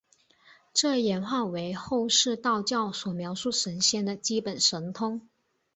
这演化为后世道教所描述神仙的基本神通。